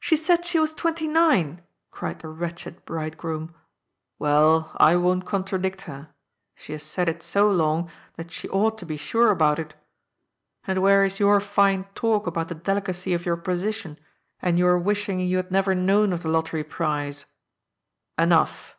"She said she was twenty nine!" cried the wretched bridegroom. " Well, I won't contradict her. She has said it so long, that she ought to be sure about it. And where is your fine talk about the delicacy of your position, and your wishing you had never known of the lottery prize ? Enough.